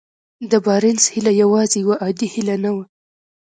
د بارنس هيله يوازې يوه عادي هيله نه وه.